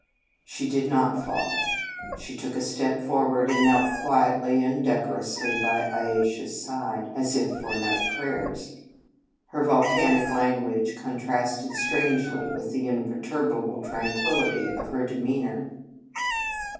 She did not fall. She took a step forward, and knelt quietly and decorously by Ayesha s side, as if for night prayers. Her volcanic language contrasted strangely with the imper turbable tranquillity of her demean our.